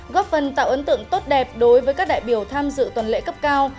góp phần tạo ấn tượng tốt đẹp đối với các đại biểu tham dự tuần lễ cấp cao